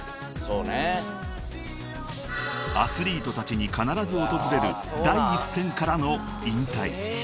［アスリートたちに必ず訪れる第一線からの引退］